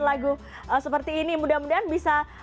lagu seperti ini mudah mudahan bisa